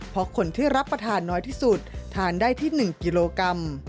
เพราะคนที่รับประทานน้อยที่สุดทานได้ที่๑กิโลกรัม